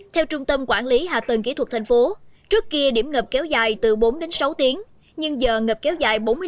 theo trung tâm quản lý hạ tầng kỹ thuật thành phố trước kia điểm ngập kéo dài từ bốn đến sáu tiếng nhưng giờ ngập kéo dài bốn mươi năm phút sau mưa